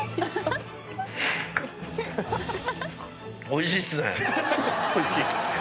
おいしい？